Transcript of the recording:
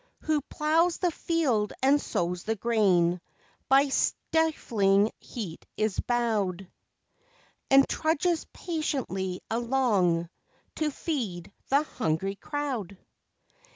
Who plows the field and sows the grain, By stifling heat is bowed, And trudges patiently along, To feed the hungry crowd?